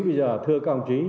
bây giờ thưa các ông chí